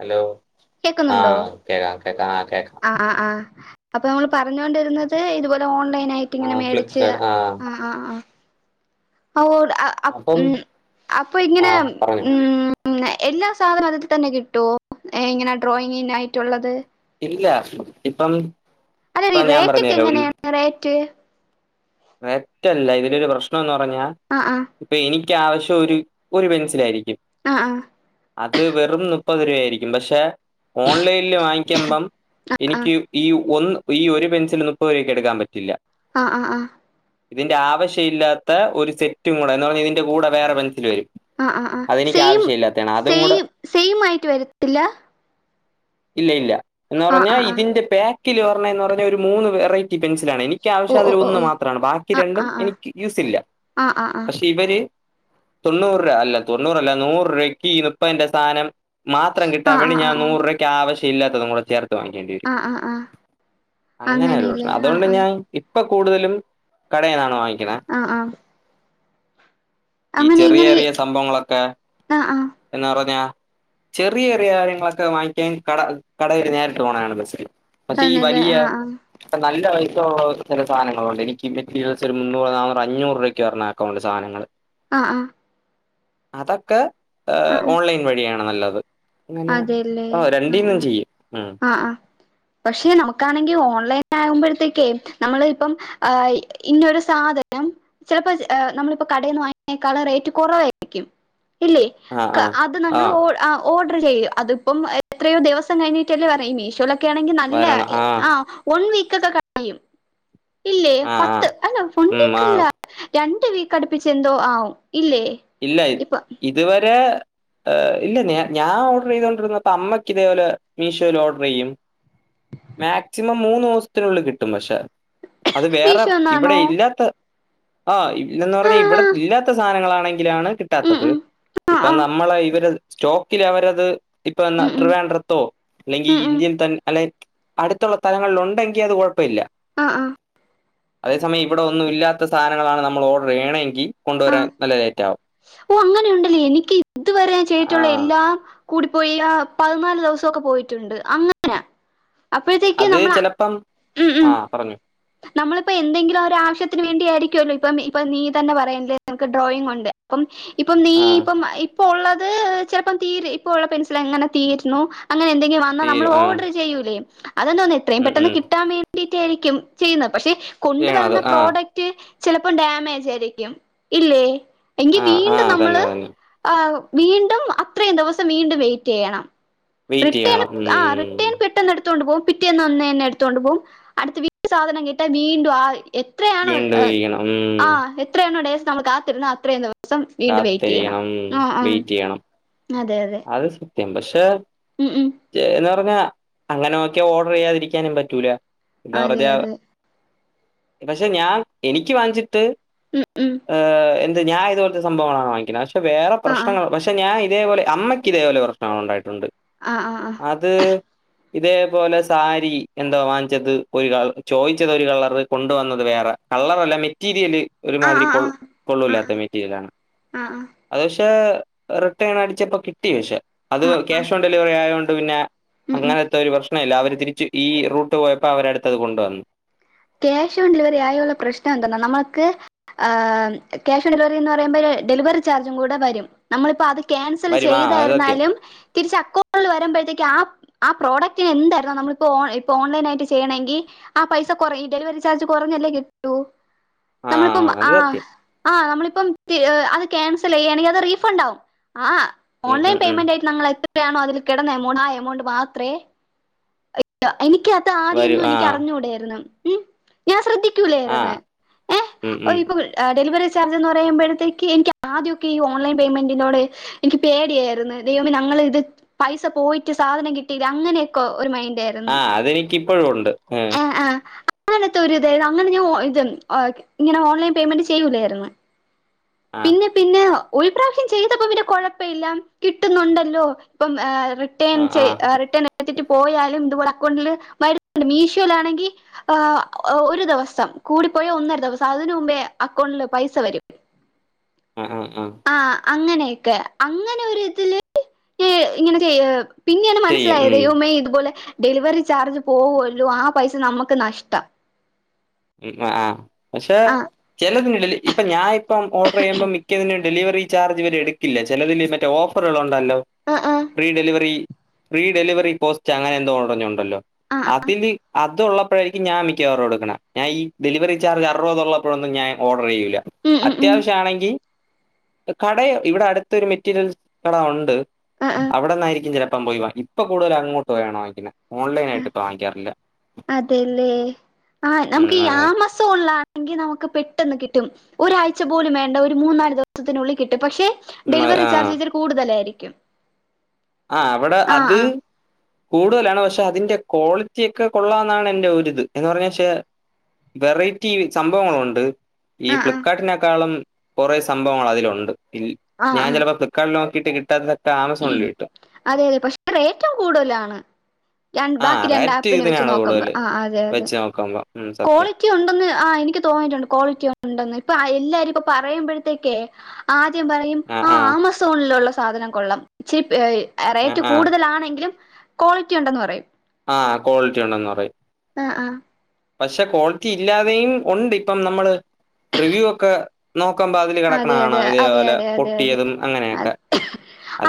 Hello ആഹ് കേക്കാം കേക്കാം ആഹ് കേൾക്കാം ആഹ് ആഹ് അപ്പൊ നമ്മൾ പറഞ്ഞൊണ്ടിരുന്നത് ഇതുപോലെ ഓൺലൈൻ ആയിട്ട് ആ ഇങ്ങനെ മേടിച്ച് ഫ്ലിപ്കാർട്ട് ആ ആഹ് ആഹ് അപ്പം അപ്പൊ ആ ഇങ്ങനെ പറഞ്ഞോ ഉം എല്ലാ സാധനവും അതിൽ തന്നെ കിട്ടുവോ ഇങ്ങനെ ഡ്രോയിങ്ങിനായിട്ടുള്ളത് ഇല്ല ഇപ്പം ഇപ്പൊ ഞാൻ റേറ്റ് പറഞ്ഞു ഒക്കെ തരാം എങ്ങനെയാ റേറ്റ് വെറ്റല്ല ഇതിലൊരു പ്രശ്നോംന്ന് പറഞ്ഞാൽ ആഹ് ആഹ് ഇപ്പോ എനിക്ക് ആവശ്യം ഒരു ഒരു പെൻസിലായിരിക്കും ആഹ് ആഹ് അത് വെറും മുപ്പത് രൂപായിരിക്കും പക്ഷേ ഓൺലൈനില് വാങ്ങിക്ക്മ്പം ആ എനിക്ക് ഈ ഒന്ന് ഈ ഒരു പെൻസില് നുപ്പത് രൂപയ്ക്ക് എടുക്കാൻ പറ്റില്ല ആഹ് ആഹ് ആഹ് ഇതിന്റെ ആവശ്യ ഇല്ലാത്ത ഒരു സെറ്റും കൂടെ. എന്ന് പറഞ്ഞാൽ ഇതിന്റെ കൂടെ വേറെ പെൻസില് വരും. ആഹ് ആഹ് ആഹ്. അതെനിക്ക് സെയിം ആവശ്യമില്ലാത്തതാണ് അതും കൂടെ സെയിം സെയിം ആയിട്ട് വരത്തില്ല? ഇല്ല ഇല്ല. എന്ന് ആ ആ പറഞ്ഞാൽ ആ ഇതിന്റെ പാക്കില് വരണേന്ന് പറഞ്ഞാ ഒരു മൂന്ന് വെറൈ റ്റി പെൻസിലാണ്. എനിക്ക് ഓ ആവശ്യം ഓ അതിൽ ഓ ഒന്ന് ഓ മാത്രാണ്. ബാക്കി ആ രണ്ടും ആ ആ എനിക്ക് യൂസില്ല. ആ ആ ആ പഷ് പക്ഷെ ഇവര് തൊണ്ണൂറ് രൂപ അല്ല തൊണ്ണൂറല്ല നൂറ് രൂപക്ക് ഈ നുപ്പതിന്റെ സാനം മാത്രം ആ കിട്ടാൻ ആ വേണ്ടി ഞാൻ ആ നൂറ് രൂവക്ക് ആവശ്യമല്ലാത്തതും കൂടെ ചേർ ത്ത് വാങ്ങിക്കേണ്ടി വരും. ആ ആ ആ അങ്ങനെ ഒരു അങ്ങനെയല്ലേ പ്രക്ഷനം ആഹ് അതുകൊണ്ട് ആഹ് ഞാൻ ഇപ്പ കൂടുതലും കടേന്നാണ് വാങ്ങിക്കണ് ആഹ് ആഹ് ഈ അങ്ങനെ ചെറിയ ഇങ്ങനെ ചെറിയ സംഭവങ്ങളൊക്കെ ആഹ് ആഹ് എന്നാ പറഞ്ഞാ ചെറിയ ചെറിയ കാര്യങ്ങളൊക്കെ വാങ്ങിക്കാൻ കട കടയിൽ നേരിട്ട് പോണാണ് ബസ്സില് പക്ഷേ ഈ തന്നല്ലേ വലിയ ആഹ് ആഹ് ഇപ്പോ നല്ല വലിപ്പമുള്ള ചെല സാധനങ്ങളുണ്ട്. [unintelligible] അഞ്ഞൂറ് രൂപയ്ക്ക് വരണ അക്കൗണ്ട് സാധനങ്ങള് ആഹ് ആഹ് അതൊക്ക ഏഹ് ആഹ് ഓൺലൈൻ വഴിയാണ് നല്ലത്. അങ്ങനെ അതെല്ലേ ഓഹ് രണ്ടീന്നും ചെയ്യും. ഉം പക്ഷേ നമുക്കാണെങ്കിൽ ഓൺലൈൻട്ട് ആകുമ്പോഴത്തേക്കേ നമ്മള് ഇപ്പം ആഹ് ഇന്നോരു സാധനം ചെലപ്പോ ഏഹ് നമ്മളിപ്പോ കടയിന്ന് വാങ്ങിക്കണേക്കാളും റേറ്റ് കൊറവായിരിക്കും. ഇല്ലേ? ആ ആ ക്ക് അത് ആ നങ്ങള് ഓൾ ആഹ് ഓൾ ഡര് ചെയ്യും. അതിപ്പം എത്രയോ ദിവസം കഴിഞ്ഞിട്ടല്ലേ പറയാ. ഈ മീഷോലൊക്കെ ആണെങ്കിൽ നല്ല ആഹ് വരണം ഈ ആ ആഹ് വൺ വീക്ക് ഒക്കെ കഴിയും. ഇല്ലേ ആ ആ പത്ത് അല്ല വൺ ഉം ആ വീക്ക്ല്ല. രണ്ട് വീക്കടുപ്പിച്ചെന്തോ ആവും ഇല്ലേ? ഇല്ല ഇപ്പൊ ഇതുവരെ ഏഹ് ഇല്ല ഞാൻ ഞാൻ ഓഡറീതോണ്ടിരുന്നപ്പ അമ്മയ്ക്ക് ഇതേപോലെ മീഷോയിൽ ഓർഡർയ്യും മാക്സിമം മൂന്നൂസത്തിനുള്ളിൽ കിട്ടും പക്ഷേ അത് വേറെ, ഇവടെ മീഷോന്നാണോ ഇല്ലാത്ത ആഹ് ഇല്ലെന്ന് ആ പറഞ്ഞാ ആ ഇവടെ ഇല്ലാത്ത സാധനങ്ങളാണെങ്കി ലാണ് ഉം കിട്ടാത്തത് ഉം ആ ഇപ്പ ആ നമ്മള ഇവര് സ്റ്റോക്കിലവരത് ഇപ്പോ എന്നാ ഉം ഉം ട്രവാൻഡ്രത്തോ അല്ലെങ്കിൽ ഉം ഉം ഇന്ത്യയിൽ തൻ അല്ലേ അടുത്തുള്ള തലങ്ങളിൽ ഒണ്ടെങ്കി അത് കൊഴപ്പമില്ല ആഹ് ആഹ് അതേസമയം ഇവടെ ഒന്നും ഇല്ലാത്ത സാനങ്ങളാണ് നമ്മള് ഓർഡറെയ്യണെങ്കിൽ കൊണ്ടുവരാൻ നല്ല ലേ ഓഹ് അങ്ങനെയുണ്ടല്ലേ? എനിക്ക് ഇതുവരെ ഞാൻ ആ ചെയ്തിട്ടുള്ള എല്ലാം കൂടിപ്പോയാ പതിനാല് ദെവസം ഒക്കെ പോയിട്ടുണ്ട് അങ്ങനാ അപ്പഴത്തേക്ക് അത് നമ്മള ചിലപ്പം ഉം ഉം ആ പറഞ്ഞു നമ്മളിപ്പ എന്തെങ്കിലും ഒരോ ആവശ്യത്തിന് വേണ്ടിയായിരിക്കുവല്ലോ. ഇപ്പം ഇപ്പം നീ തന്നെ പറയണില്ലേ? നിനക്ക് ഡ്രോയിങ്ങ് ഉണ്ട്. അപ്പം ഇപ്പം നീ ആ ഇപ്പം ഇപ്പ ഒള്ളത് ചെലപ്പോ തീരെ ഇപ്പ ഒള്ള പെൻസിൽ എങ്ങനെ തീരണു അങ്ങനെ എന്തെങ്കി വന്ന നമ്മള് തീരും ആ ഓർഡർ ചെയ്യൂലേ അതെന്തോന്നുന്നു എത്രയും ഉം പെട്ടെന്ന് ഉം കിട്ടാൻ വേണ്ടീട്ടായിരിക്കും ചെയ്യുന്നത് പക്ഷെ ചെയ്യണത് കൊണ്ടുവരുന്ന ആ പ്രോഡക്റ്റ് ചെലപ്പോം ഡാമേജാരിക്കും ഇല്ലേ എങ്കി ആ ആ വീണ്ടും തന്നെ നമ്മള് തന്നെ ആഹ് വീണ്ടും അത്രയും ദിവസം വീണ്ടും വെയിറ്റ് ചെയ്യണം വെയിറ്റ് റിട്ടേണ് ചെയ്യണം ഉം ആഹ് റിട്ടേണ് പെ ട്ടെന്ന് എടുത്തോണ്ട് പോവും പിറ്റേന്ന്ന്നന്ന് തന്നെ എടുത്തോണ്ട് പോകും അടുത്ത വീക്ക് സാധനം കേട്ടാ വീണ്ടും ആഹ് എത്രയാണോ വീണ്ടും ഇരിക്കണം ഉം ആഹ് എത്രയാണോ ഡേസ് നമ്മൾ കാത്തിരുന്ന അത്ര ദിവസം വീണ്ടും വെയിറ്റ് ചെയ്യണം കാത്തിരിക്കണം ആഹ് ആഹ് വെയിറ്റ് ചെയ്യണം അതെ അതെ അത് സത്യം പക്ഷെ ഉം ഉം [unintelligible] പറഞ്ഞ അങ്ങനെ നോക്കിയ ഓർഡർ ചെയ്യാതിരിക്കാനും പറ്റൂല എന്നാ അതെ പറഞ്ഞ അതെ പക്ഷെ ഞാൻ എനിക്ക് വാങ്ങിച്ചിട്ട് ഉം ഉം ഏഹ് എന്ത് ഞാൻ ഇതുപോലത്തെ സംഭവങ്ങളാണ് വാങ്ങിക്കണത് പക്ഷെ വേറെ ആ പ്രശ്നങ്ങൾ പക്ഷെ ഞാൻ ഇതേപോലെ അമ്മക്ക് ഇതേപോലെ പ്രശ്നങ്ങൾ ഒണ്ടായിട്ടോണ്ട് ആഹ് ആഹ് ആഹ് അത് ഇതേപോലെ സാരി എന്തോ വാങ്ങിച്ചത് ഒരു ക ചോദിച്ചത് ഒരു കളറ് കൊണ്ട് വന്നത് വേറെ കള്ളറല്ല മെറ്റീരിയല് ആ ആ ഒരുമാതിരി കൊ ആ ആ ആ കൊള്ളില്ലാത്ത മെറ്റീരിയലാണ് ആ ആ അത് പക്ഷേ റിട്ടേൺ അടിച്ചപ്പോ കിട്ടി പക്ഷേ അത് ക്യാഷ് ഓൺ ഡെലിവറി ആയോണ്ട് പിന്നെ ഉം ഉം അങ്ങനത്തെ ഒരു പ്രശ്ന ഇല്ല അവര് തിരിച്ച് ഈ റൂട്ട് പോയപ്പോ അവരടുത്തത് കൊണ്ടുവന്നു ക്യാഷ് ഓൺ ഡെലിവറി ആയവോള്ള പ്രശ്നം എന്തന്നാ നമ്മുക്ക് ആഹ് ക്യാഷ് ഓൺ ഡെലിവറി എന്ന് പറയുമ്പോ ഡെലിവറി ചാർജും കൂടെ വരും നമ്മളിപ്പോ അ ക്യാൻസല് വരുമാ അത് സത്യം ചെയ്താരുന്നാലും തിരിച്ച് അക്കോൺഡില് വരുമ്പഴത്തേക്ക് ആഹ് ആഹ് പ്രോഡക്റ്റന് എന്താരുന്നോ നമ്മളിപ്പോ ഇപ്പോ ഓൺലൈനായിട്ട് ചെയ്യണമെങ്കിൽ ആ പൈസ കൊറ ഈ ഡെലിവറി ചാർജ് കൊറഞ്ഞല്ലേ കിട്ടൂ ആ നമ്മളിപ്പം അത് ആഹ് സത്യം ആഹ് നമ്മളിപ്പം അത് ക്യാൻസൽ ചെയ്യണെങ്കിൽ അത് റീഫണ്ടാവും ആഹ് ഉം ഓൺലൈൻ ഉം ഉം പേയ്മെന്റ് ആയിട്ട് ഞങ്ങൾ എത്രയാണോ അതിൽ കെടന്ന എമൗണ്ട് ആഹ് എമൗണ്ട് മാത്രേ [unintelligible] എനിക്ക് അത് വരും ആദ്യൊന്നും എനിക്ക് ആഹ് അറിഞ്ഞുടെരുന്നു ഞാൻ ശ്രദ്ധിക്കൂലേരുന്നു ആഹ് ഏഹ് ഉം ഉം [unintelligible] ആഹ് ഡെലിവറി ചാർജ് എന്ന് പറയുമ്പഴത്തേക്ക് എനിക്ക് ആദ്യൊക്കെ ഈ ഓൺലൈൻ പേയ്മെൻറ്റിനോട് എനിക്ക് പേടിയാര്ന്ന് ദൈവമേ ഞങ്ങള് ഇത് പൈസ പോയിട്ട് സാധനം കിട്ടില്ല അങ്ങനെയൊക്കോ ഒരു മൈൻറ്റാരുന്നു ആഹ് അത് എനിക്കിപ്പഴും ഒണ്ട് ഉം ആഹ് അങ്ങനത്തെ ഒരു ഇത് അങ്ങനെ ഞാൻ ഇത് എനിക്ക് ആഹ് ഇങ്ങനെ ഓൺലൈൻ പേമെന്റ് ചെയ്യൂലേരുന്ന് ആഹ് പിന്നെ പിന്നെ ഒരു പ്രാവശ്യം ചെയ്ത അപ്പോ പിന്നെ കൊഴപ്പം ഇല്ല കിട്ടുന്നോണ്ടല്ലോ ഇപ്പം ആഹ് റി റിട്ടേൺ ആഹ് ച്ചേ ആഹ് റിട്ടേൺ എടുത്തിട്ട് പോയാലും ഇത് പോലെ അക്കൗണ്ടില് വരുന്നോണ്ട് മീശോയിലാണെങ്കി ആഹ് ഒരു ദെവസം കൂടിപ്പോയാ ഒന്നര ദെവസം അതിന് മുമ്പേ അക്കൗണ്ടില് പൈസ വരും ഉം ഉം ഉം ആഹ് അങ്ങനെയക്കെ അങ്ങനെ ഒരു ഇതില് ഈ ഇങ്ങനെ പിന്നെയെണ് ചെയ്യും മനസ്സിലായത് ഉം ദൈവമേ ഇതുപോലെ ഡെലിവറി ചാർജ് പോകുവല്ലോ ആ പൈസ നമക്ക് നഷ്ടം ഉം ആഹ് ആഹ് പക്ഷേ ആ ചെലതിന് [unintelligible] ഇപ്പ ഞാൻ ഇപ്പം ഓർഡർ ചെയ്യുമ്പം മിക്കതിനും ഡെലിവറി ചാർജ് ഇവര് എടുക്കില്ല ചെലതിന് മറ്റേ ഓഫറുകള് ഒണ്ടല്ലോ ആ ആ free delivery free delivery post അങ്ങനെ എന്തോ ഒടഞ്ഞുണ്ടല്ലോ അതില് അ ഇത് ഉള്ളപ്പോഴായിരിക്കും ഞാൻ മിക്കവാറും എടുക്ക്ണെ ഞാൻ ഈ ഡെലിവറി ചാർജ് അറുപത് ഉള്ളപ്പോഴ് ഒന്നും ഞാൻ ഓഡർ ചെയ്യൂല്ല. ഉം ഉം ഉം അത്യാവിശ്യ ആണെങ്കിൽ കട ഇവിടെ അടുത്ത് ഒരു മെറ്റീരിയൽസ് കട ഒണ്ട് അവിടന്ന് ആയിരിക്കും ചെലപ്പം പോയി വാങ്ങി ഇപ്പൊ കൂടുതൽ അങ്ങോട്ട് പോയാണ് വാങ്ങിക്കുന്നേ ഓൺലൈൻ ആയിട്ട് ഇപ്പം വാങ്ങിക്കാറ് ഇല്ല. അതേല്ലേ ആഹ് ഉം നമുക്ക് ഈ അതെ ആമസോ ഉള്ളാ എങ്കി നമുക്ക് പെട്ടെന്ന് കിട്ടും ഒരാഴ്ച പോലും വേണ്ട ഒരു മൂന്നാല് ദിവസത്തിന് ഉള്ളിൽ കിട്ടും പക്ഷേ, മ ഡെലിവറി ആ ചാർജ് ഇതിൽ കൂടുതല് ആയിരിക്കും. ആ അവിടെ അത്- കൂടുതലാണ് പക്ഷേ അതിന്റെ ക്വാളിറ്റി ഒക്കെ കൊള്ളാന്നാണ് എന്റെ ഒരു ഇത് എന്ന് പറഞ്ഞ ക്ഷേ വെറൈറ്റി സംഭവങ്ങള് ഉണ്ട്. ഈ ആഹ് ആഹ് ആഹ് ഫ്ലിപ്കാർട്ടിനെക്കാളും കൊറേ സംഭവങ്ങൾ അതിലുണ്ട് ൽ ആഹ് ഞാൻ ആഹ് ചെലപ്പൊ ഫ്ലി ഫ്ളിപ്പ്ക്കാട്ടില് നോക്കീട്ട് കിട്ടാത്തത് ഒക്കെ ആമസോണില് കിട്ടും. അതെ അതെ പക്ഷേ റേറ്റും കൂടുതലാണ്. ഞാൻ ആ ബാക്കി രണ്ട് റേറ്റ് ആപ്പിനെ വെച്ച് ഇതിനാണ് നോക്കുമ്പോ കൂടുതല് ആ അതെ അതെ വെച്ച് നോക്കുമ്പോ ഉം സത്യം കോളിറ്റി റ്റി ഉണ്ടെന്ന് ആ എനിക്ക് തോന്നിയിട്ട് ഉണ്ട് ക്വാളിറ്റി ഉണ്ടെന്ന് ഇപ്പൊ എല്ലാരും ഇപ്പൊ പറയുമ്പഴത്തേക്കേ, ആദ്യം പറയും ആ ആമസോണിലുള്ള സാധനം കൊള്ളാം ചീപ്പ് റൈ ആ റേറ്റ് ആ കൂടുതല് ആണെങ്കിലും ക്വാളിറ്റി ഉണ്ടെന്ന് പറയും. ആഹ് ക്വാളിറ്റി ഉണ്ടെന്ന് പറയും. ആഹ് ആഹ് പക്ഷേ ക്വാളിറ്റി ഇല്ലാതെയും ഉണ്ട് ഇപ്പം നമ്മള് റിവ്യൂ ഒക്കെ നോക്കുമ്പോ അതില് കെടക്ക്ണെ അതെ അതെ കാണാം അതെ ഇതേപോലെ അതെ പൊട്ടിയതും അങ്ങനെയൊക്കെ.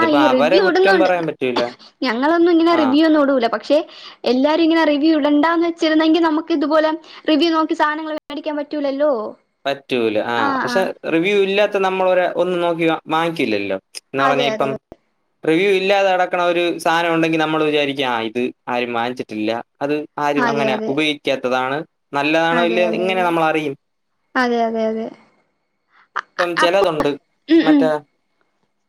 ആഹ് ഈ അവരെ റിവ്യൂ കുറ്റം ഇടുന്നുണ്ട് പറയാൻ പറ്റൂല ഞങ്ങള് ഒന്നും ഇങ്ങനെ ആ റിവ്യൂ ഒന്നും ഇടൂല പക്ഷേ, എല്ലാരും ഇങ്ങനെ റിവ്യൂ ഇടണ്ടാന്ന് വെച്ചിരുന്നെങ്കിൽ നമക്ക് ഇതുപോലെ, റിവ്യൂ നോക്കി സധനങ്ങൾ മേടിക്കാൻ പറ്റൂലല്ലോ. പറ്റൂല ആ ആഹ് ആ പക്ഷേ റിവ്യൂ ഇല്ലാത്ത നമ്മൾ ഒരെ ഒന്നും നോക്കി വാങ്ങിക്കില്ല അല്ലോ. എന്ന് പറഞ്ഞാ അതെ അതെ ഇപ്പം റിവ്യൂ ഇല്ലാതെ കെടക്ക്ണെ ഒരു സാധനം ഉണ്ടെങ്കി നമ്മള് വിചാരിക്ക്യാ ആ ഇത് ആരും വാങ്ങിച്ചിട്ട് ഇല്ല അത് ആരും അതെ അങ്ങനെ അതെ ഉപയോഗിക്കാത്തത് ആണ് നല്ലതാണോ അതെ അതെ ഇല്ല്യേ എങ്ങനെ അതെ നമ്മൾ അറിയും. അതെ അതെ അതെ ഇപ്പം അപ്പൊ ചെലത് ഉണ്ട് ഉം ഉം മറ്റേ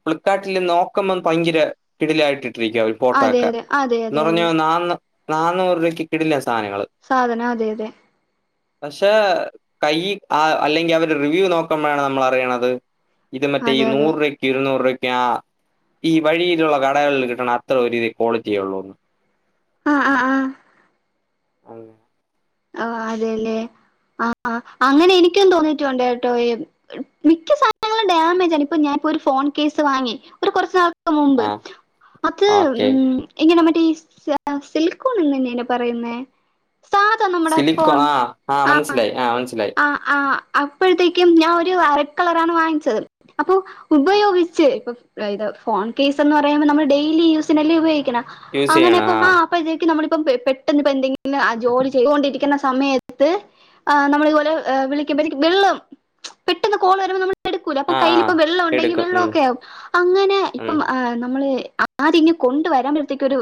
ഫ്ളിപ്പ്കാട്ടിൽ നോക്കുമ്പോ ഭയങ്കര കിടിലായിട്ട് ഇട്ടിരിക്കാവും ഫോട്ടോ അതെ ഒക്കെ അതെ അതെ എന്ന് അതെ പറഞ്ഞാ അതെ നാന്നൂ നാന്നൂറ് രൂപയ്ക്ക് കിടിലൻ സാധനങ്ങൾ സാധനം അതെ അതെ പക്ഷേ കൈയ്യ് ആ അല്ലെങ്കിൽ അവര് റിവ്യൂ നോക്കമ്പഴേണ് ന നമ്മള് അറിയിണത് ഇത് മറ്റേ അതെ അതെ നൂറ് രൂപ ഇരുന്നൂറ് രൂപക്ക്യാ ഈ വഴിയില് ഉള്ള കടകളിൽ കിട്ടണം അത്രം ഒരു ക്വാളിറ്റി ഒള്ളൂ ആ ആ ആഹ് ഓ അതേല്ലേ ആഹ് അങ്ങനെ എനിക്കും തോന്നിട്ട് ഉണ്ട് കേട്ടോ- മിക്ക സാധനങ്ങളും ഡാമേജ് ആണ് ഇപ്പൊ ഞാന് ഇപ്പോ ഒരു ഫോൺ കേസ് വാങ്ങി ഒരു കൊറച്ച് നാൾ ക് മുമ്പ് ആ അത് ഓക്കെ ഉം ഇങ്ങനേ മറ്റേ ഈ സിലിക്കോണെന്നെന്നല്ലേ പറയുന്നേ സാ സിലികോണ് ആ ആഹ് മനസ്സിലായി ആ മനസ്സിലായി, ആ അപ്പൊഴ്ത്തേക്കും ഞാൻ ഒരു റെഡ് കളറാണ് വാങ്ങിച്ചത്. അപ്പൊ ആ ഉപയോഗിച്ച് ഇപ്പം അതായത് ഫോൺ കേസെന്ന് പറയുമ്പോ നമ്മൾ ഡെയിലി യൂസിനല്ലേ ഉപയോഗിക്ക്ണെ യൂസ് ചെയ്യണം അങ്ങനെപ്പം ആ പ്പം ഇതേക്ക് നമ്മളിപ്പം പെ പെട്ടന്ന് എന്തെങ്കിലുപ്പം ജോലി ചെയ്തുകൊണ്ടിരിക്കുന്ന സമയത്ത് നമ്മള് ഇതുപോലെ വിളിക്കുമ്പോ എനിക്ക് വെള്ളം- പെട്ടന്ന് കോള് വരുമ്പോൾ നമ്മൾ - എടുക്കൂല അപ്പ ആ ആ കൈയില് ഇപ്പ വെള്ള ഒണ്ടെങ്കിൽ എടുക്കും ഉം വെള്ളമൊക്കെ ആകും അങ്ങനെ ഉം ഇപ്പം നമ്മള് ആ - അത് ഇങ്ങ് കൊണ്ടുവരാമ്പോഴത്തേക്ക് ഒരു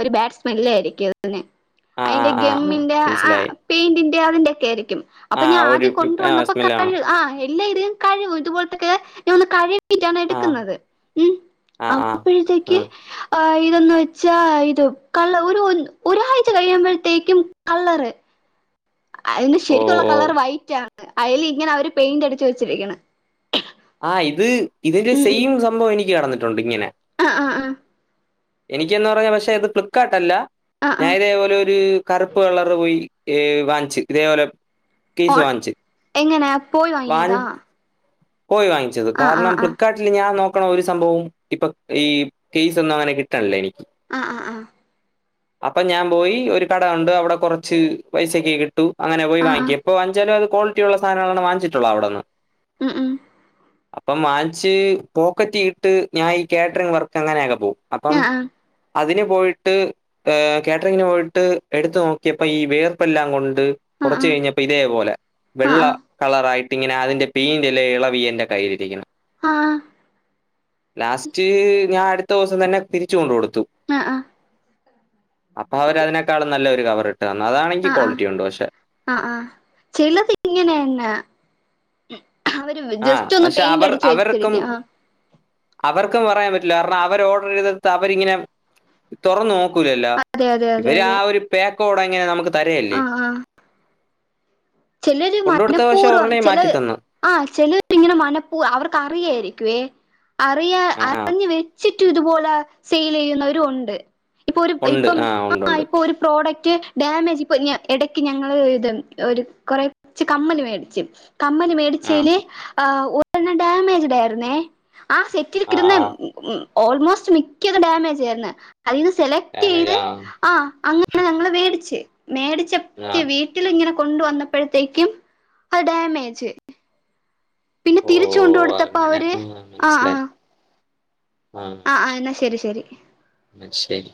ഒരു ബാട് സ്മെല്ല് ആയിരിക്കും അതിന് ആഹ് ആഹ് ആഹ് മമിന്റ് ആ പെയിന്റിന്റെ അതിന്റെ ഒക്കെ ആയിരിക്കും അപ്പൊ ആ ഞാൻ ഒരു ആദ്യം കൊണ്ട ആ വന്നപ്പോ ഹാ സ്മെല്ലാണ് ആ ഇല്ല ഇത് കഴുകും ഇതുപോലത്തക്കെ ഒന്ന് കഴുകിട്ടാണ് എടുക്കുന്നത് ഉം ഉ [inaudible] എനിക്ക് ഇതെന്ന് വെച്ചാ ഇത് കള്ള ഒരു ഒരാഴ്ച കഴിയുമ്പോഴത്തേക്കും- കളളറ് അതിന്റെ ഓ ശരിക്കുള്ള ഓ കളർ വൈറ്റ് ആണ്. അതിൽ ഇങ്ങനെ അവര് പെയിന്റ് അടച്ച് വെച്ചിരിക്കണ്. ആഹ് ഇത് ഇതിന്റെ സെയിം സംഭവം എനിക്ക് നടന്നിട്ടുണ്ട് ഇങ്ങനെ. ആഹ് ആഹ് ആഹ് എനിക്കെന്ന് പറഞ്ഞാ പക്ഷെ ഇത് ഫ്ലിപ്പ്കാർട്ട് അല്ല ആ ആ ഞാൻ ഇതേപോലെ ഒരു കറു പ്പ് കളറ് പോയി വാങ്ങിച്ചു ഇതേപോലെ ഓ കേസ് വാങ്ങിച്ച് എങ്ങനെ പോയി വാങ്ങി വാങ്ങിയതാ പോയി വാങ്ങിച്ചത്. ആ ആ കാരണം ആ ഫ്ലിപ്കാട്ടിൽ ഞാൻ നോ നിക്കണ ഒരു സംഭവം ഇപ്പൊ ഈ കേസ്‌ ഒന്നും അങ്ങനെ കിട്ടണല്ലേ എനിക്ക് ആഹ് ആഹ് ആഹ് അപ്പൊ ഞാൻ പോയി ഒരു കടയൊണ്ട് അവിടെ കൊറച്ച് പൈസക്ക് കിട്ടും അങ്ങനെ പോയി ആ ആ വാങ്ങിക്കും ഇപ്പൊ വാങ്ങിച്ചാലും അത് ക്വാളിറ്റിയുള്ള സാധനങ്ങളാണ് വാങ്ങിച്ചിട്ടുള്ളത് അവിടെ നിന്ന്. ഉം ഉം അപ്പം വാങ്ങിച്ച് പോക്കറ്റി ഇട്ട് ഞാൻ ഈ കാറ്ററിങ് വർക്ക് അങ്ങനെയൊക്കെ പോവും. അപ്പം ആ ആ അതിന് പോയിട്ട് കാറ്ററിങ്ങിന് പോയിട്ട് എടുത്തു നോക്കിയപ്പോ ഈ വേർപ്പെല്ലാം കൊണ്ട് ആ കൊറച്ച് ആ കഴിഞ്ഞപ്പോ ഇതേപോലെ വെള്ള ആഹ് കളറായിട്ട് ഇങ്ങനെ അതിന്റെ പെയിന്റ് എല്ലാം ഇളകി കി [unintelligible] എന്റെ കയ്യിലിരിക്കണം ആഹാ ലാസ്റ്റ് ഞാൻ അടുത്ത ദിവസം തന്നെ തിരിച്ച് കൊണ്ട് കൊടുത്തു ആഹ ആഹ് അപ്പൊ അവര് അതിനേക്കാളും നല്ല ഒരു കവർ ഇട്ട് വന്നു അതാണെങ്കിൽ ആഹ് ആഹ് ആഹ് ക്വാളിറ്റി ഒണ്ട് പക്ഷെ ആഹ് ആഹ് ചെല ഇങ്ങ [unintelligible] നെന്ന ആ ജസ്റ്റ് ഒന്ന് പക്ഷെ പെയിന്റ് അവർ അടിച്ച് അവർക്കും വെച്ചിരിക്ക. അവർക്കും പറയാൻ പറ്റില്ല. കാരണം അവർ ഓർഡർ ചെയ്ത് എടുത്തു അവരിങ്ങനെ- തൊറന്ന് നോക്കൂലല്ലോ അതെ അതെ അതെ ഇവര് ആ അതെ ഒരു പായ്ക്കോട് അങ്ങനെ നമുക്ക് തരുകല്ലേ. ചെലരു മനഃപൂർവം മാറ്റി ചെലത്- തന്നു ആ ചെലർ ഇങ്ങനെ മനപ്പൂ അവർക്ക് അറിയായിരിക്കുവേ അറിയാ ആ ആ അറിഞ്ഞു വ ചുറ്റും ഇതുപോലെ സെയിൽ ചെയ്യുന്നവരും ഉണ്ട് ഇപ്പൊ ഒരു ഉണ്ട് ഇപ്പം ഉണ്ട് ആ ഉണ്ട് ഇപ്പൊ ഒരു പ്രോഡക്റ്റ് ഡാമേജ് ഇപ്പൊ ഇടയ്ക്ക് ഞങ്ങള് ഇത് ഒരു കൊറച്ച് കമ്മല് മേടിച്ചു കമ്മല് മേ ആ മേടിച്ചേല് ഒരെണ്ണം ഡമേജ്ട് ആയിരുന്നെ ആ സെറ്റിൽ ആ കെടന്ന ആ ഉം ഓൾമോസ്റ്റ് മിക്കതും ഡാമേജ് ആയിരുന്നു അതിന്ന് സെലക്ട് ചെയ്ത് ആ അങ്ങനെ ഞങ്ങള് വേടിച്ച് മേടിച്ച ക്ക് ആ വീ വീട്ടില് ഇങ്ങനെ കൊണ്ട് വന്നപ്പഴത്തേക്കും അത് ഡാമേജ് പിന്നെ ഓ തിരിച്ച് കൊണ്ട് കൊടുത്തപ്പ അങ്ങനെ അവര് ആഹ് ആഹ് ആഹ് ശരി ശരി അത് ശരി